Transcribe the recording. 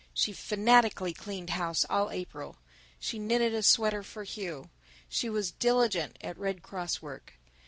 She fanatically cleaned house all April. She knitted a sweater for Hugh. She was diligent at Red Cross work.